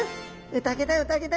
宴だ宴だ